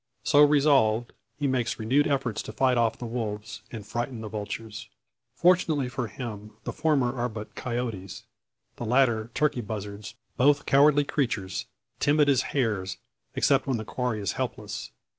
So resolved, he makes renewed efforts to fight off the wolves, and frighten the vultures. Fortunately for him the former are but coyotes, the latter turkey buzzards both cowardly creatures, timid as hares, except when the quarry is helpless.